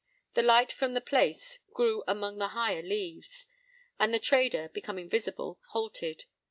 p> The light from the "place" grew among the higher leaves. And the trader, becoming visible, halted.